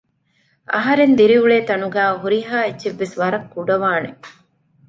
އަހަރެން ދިރިއުޅޭ ތަނުގައި ހުރިހާ އެއްޗެއްވެސް ވަރަށް ކުޑަވާނެ